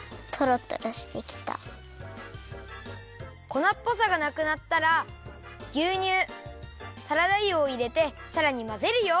こなっぽさがなくなったらぎゅうにゅうサラダ油をいれてさらにまぜるよ！